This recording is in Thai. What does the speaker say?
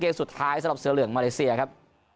สุดท้ายสำหรับเสือเหลืองมาเลเซียครับ